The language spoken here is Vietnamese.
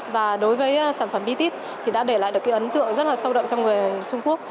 và đối với sản phẩm biti thì đã để lại được cái ấn tượng rất là sâu đậm cho người trung quốc